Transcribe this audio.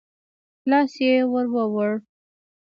لاس يې ورووړ.